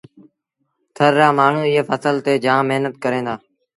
ٿر رآ مآڻهوٚݩ ايئي ڦسل تي جآم مهنت ڪريݩ دآ۔